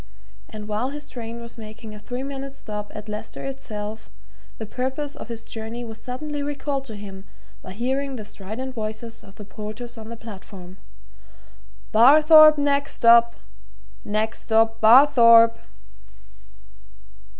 And while his train was making a three minutes' stop at Leicester itself, the purpose of his journey was suddenly recalled to him by hearing the strident voices of the porters on the platform. "Barthorpe next stop! next stop Barthorpe!"